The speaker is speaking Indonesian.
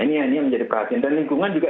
ini yang menjadi perhatian dan lingkungan juga